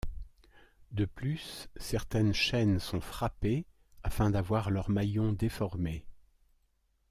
De plus, certaines chaînes sont frappées afin d'avoir leurs maillons déformés.